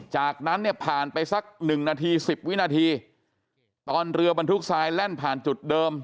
จากนั้นเนี่ยผ่านไปสักหนึ่งนาทีสิบวินาทีตอนเรือบรรทุกทรายแล่นผ่านจุดเดิม